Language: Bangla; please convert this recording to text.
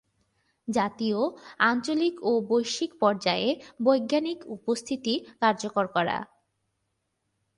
জাতীয়, আঞ্চলিক ও বৈশ্বিক পর্যায়ে বৈজ্ঞানিক উপস্থিতি কার্যকর করা।